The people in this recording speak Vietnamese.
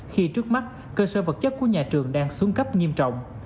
khi trước mắt cơ sở vật chất của nhà trường đang xuống cấp nghiêm trọng